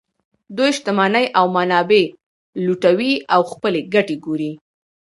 دوی شتمنۍ او منابع لوټوي او خپلې ګټې ګوري